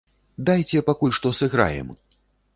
Дайце пакуль што сыграем!